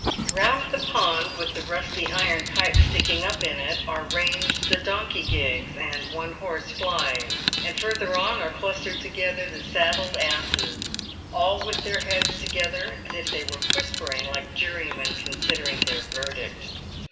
Eound the pond with the rusty iron pipe sticking up in it are ranged the donkey gigs and one horse flys, and further on are clustered together the saddled asses, all with their heads together, as if they were whispering like jurymen considering their verdict.